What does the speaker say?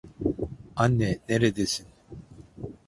Anne, neredesin?